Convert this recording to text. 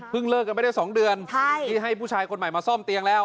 เลิกกันไม่ได้๒เดือนที่ให้ผู้ชายคนใหม่มาซ่อมเตียงแล้ว